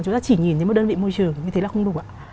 chúng ta chỉ nhìn thấy một đơn vị môi trường như thế là không đủ ạ